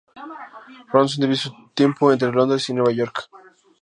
Ronson divide su tiempo entre Londres y Nueva York.